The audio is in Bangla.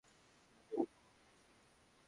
তোমার জন্য খবর এনেছি।